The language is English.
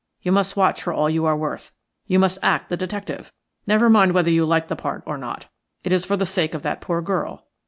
You must watch for all you are worth. You must act the detective. Never mind whether you like the part or not. It is for the sake of that poor girl.